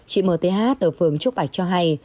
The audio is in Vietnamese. chị mth đầu phương trúc bạch cho hay